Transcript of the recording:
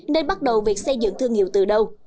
nên bắt đầu việc xây dựng thương hiệu từ đâu